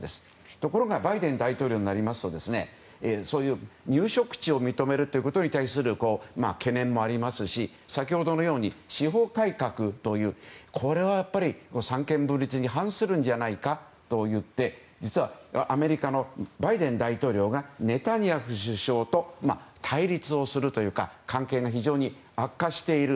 ところがバイデン大統領になるとそういう入植地を認めることに対する懸念もありますし先ほどのように司法改革というこれはやっぱり三権分立に反するんじゃないかといって実はアメリカのバイデン大統領がネタニヤフ首相と対立をするというか関係が非常に悪化している。